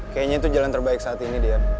kayaknya itu jalan terbaik saat ini dea